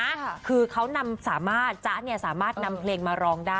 ค่ะคือเขานำสามารถจ๊ะเนี่ยสามารถนำเพลงมาร้องได้